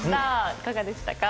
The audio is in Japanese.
いかがでしたか？